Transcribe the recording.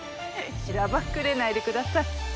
しらばっくれないでください。